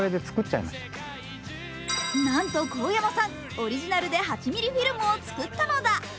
なんと神山さん、オリジナルで８ミリフィルムを作ったのだ。